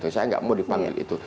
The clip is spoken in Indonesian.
saya nggak mau dipanggil itu